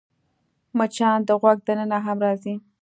مچان د غوږ دننه هم راځي